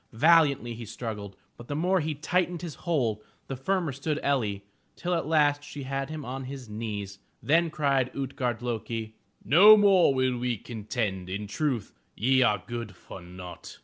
Valiantly he struggled, but the more he tightened his hold, the firmer stood El'li, till at last she had him on his knees. Then cried Ut'gard lo'ki: "No more will we contend. In truth ye are good for naught!"